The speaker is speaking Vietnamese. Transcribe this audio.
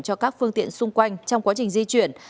cho các phương tiện xung quanh trong quá trình di chuyển